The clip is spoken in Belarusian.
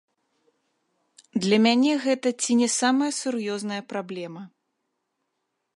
Для мяне гэта ці не самая сур'ёзная праблема.